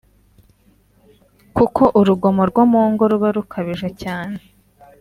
kuko urugomo rwo mu ngo ruba rukabije cyane